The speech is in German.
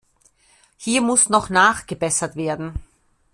Hier muss noch nachgebessert werden.